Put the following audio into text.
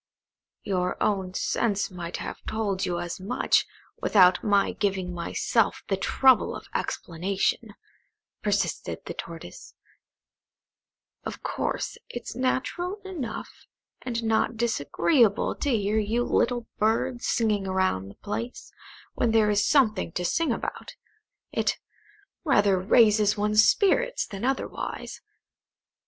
"Your own sense might have told you as much, without my giving myself the trouble of explanation," persisted the Tortoise. "Of course, it's natural enough, and not disagreeable, to hear you little birds singing round the place, when there is something to sing about. It rather raises one's spirits than otherwise.